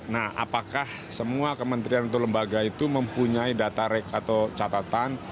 nah apakah semua kementerian atau lembaga itu mempunyai data rek atau catatan